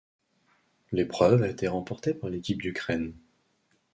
L'épreuve a été remportée par l'équipe d'Ukraine.